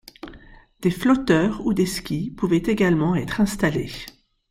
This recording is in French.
Des flotteurs ou des skis pouvaient également être installés.